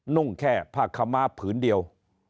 นุ่งแค่ผ้าขม้าผืนเดียว